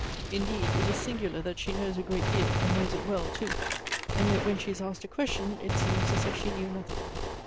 Indeed, it is singular that she knows a great deal, and knows it well, too ; and yet when she is asked a question, it seems as if she knew nothing.